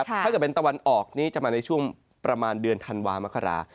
ถ้าเกิดเป็นตะวันออกนี้จะมาในช่วงประมาณเดือนธันวามกรา